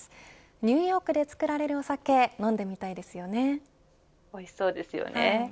ニューヨークで造られるおサケ、おいしそうですよね。